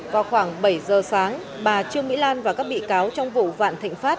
vào khoảng bảy giờ sáng bà trương mỹ lan và các bị cáo trong vụ vạn thịnh pháp